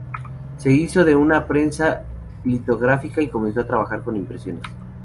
Se hizo de una prensa litográfica y comenzó a trabajar con impresiones.